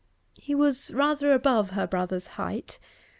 He was rather above her brother's height.